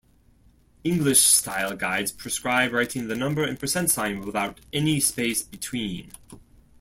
English style guides prescribe writing the number and percent sign without any space between.